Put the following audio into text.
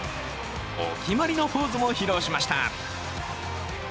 お決まりのポーズも披露しました。